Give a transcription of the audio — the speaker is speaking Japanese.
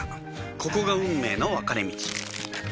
ここが運命の分かれ道